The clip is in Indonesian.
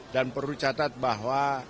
dan perlu dicatat bahwa